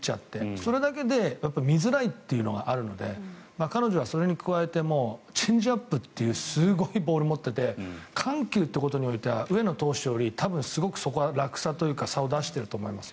それだけで見づらいというのがあるので彼女はそれに加えてチェンジアップというすごいボールを持っていて緩急ということにおいては上野投手よりも多分、すごくそこは落差というか差を出してると思います。